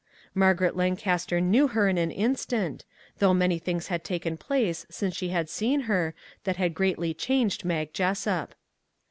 Margaret Lancaster knew her in an instant, although many things had taken place since she had seen her that had greatly changed Mag Jessup.